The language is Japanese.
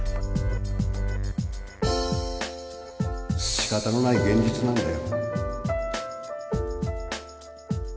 仕方のない現実なんだよ